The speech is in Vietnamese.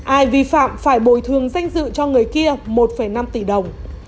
ai vi phạm phải bồi thường danh dự cho người kia một năm tỷ đồng